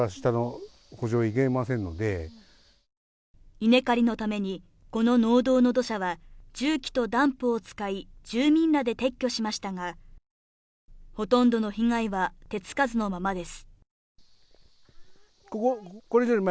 稲刈りのためにこの農道の土砂は重機とダンプを使い住民らで撤去しましたがほとんどの被害は手付かずのままです